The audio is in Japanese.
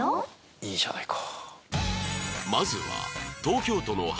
いいじゃないか。